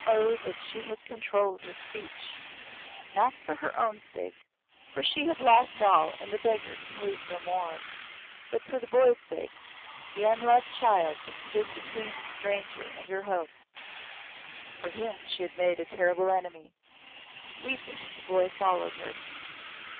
Oh, that she had controlled her speech! Not for her own sake for she had lost all and the beggar can lose no more but for the boy's sake, the unloved child that stood between the stranger and her hopes. For him she had made a terrible enemy. Weeping, the boy followed her.